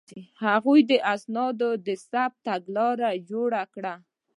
هغوی د اسنادو د ثبت تګلارې جوړې کړې.